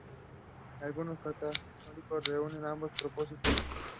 Successful collective farms were transformed into joint stock companies.